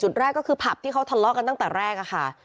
แรกก็คือผับที่เขาทะเลาะกันตั้งแต่แรกค่ะ